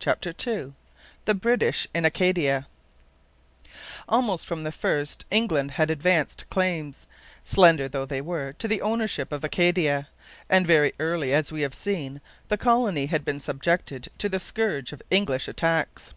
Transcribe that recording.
CHAPTER II THE BRITISH IN ACADIA Almost from the first England had advanced claims, slender though they were, to the ownership of Acadia. And very early, as we have seen, the colony had been subjected to the scourge of English attacks.